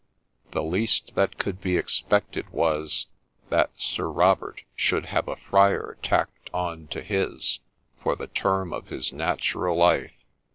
The least that could be expected was, that Sir Robert should have a friar tacked on to his for the term of his natural life